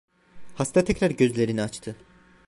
Hasta tekrar gözlerini açtı..